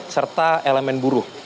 serta elemen buruh